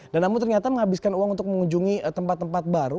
dan namun ternyata menghabiskan uang untuk mengunjungi tempat tempat baru